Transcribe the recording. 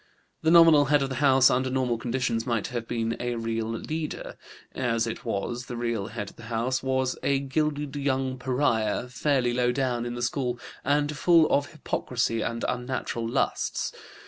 The nominal head of the house under normal conditions might have been a real leader; as it was, the real head of the house was a gilded young pariah, fairly low down in the school and full of hypocrisy and unnatural lusts.